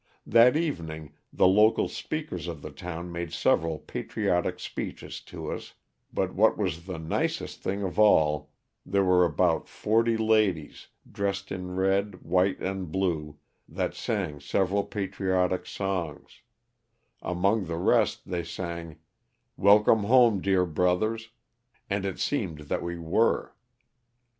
That evening the local speakers of the town made several patriotic speeches to us, but what was the nicest thing of all there were about forty ladies, dressed in red, white and blue, that sang several patriotic songs; among the rest they sang ''Welcome home, dear brothers," and it seemed that we were.